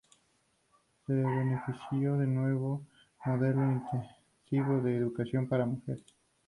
Se benefició de un nuevo modelo intensivo de educación para mujeres.